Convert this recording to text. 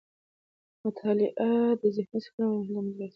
مطالعه د ذهني سکون او آرامۍ لامل ګرځي.